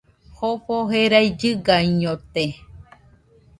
Jofo jerai llɨgaiñote